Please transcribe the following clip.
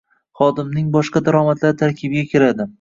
xodimning “boshqa daromadlari” tarkibiga kiradi.